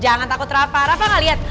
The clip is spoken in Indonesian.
jangan takut rafa rafa gak liat